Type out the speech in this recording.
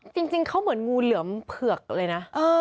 จริงเขาเหมือนงูเหลือมเผือกเลยนะ